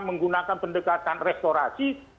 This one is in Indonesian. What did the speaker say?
menggunakan pendekatan restorasi